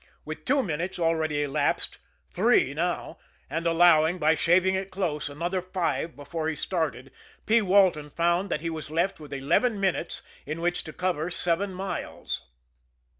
With two minutes already elapsed three now and allowing, by shaving it close, another five before he started, P. Walton found that he was left with eleven minutes in which to cover seven miles.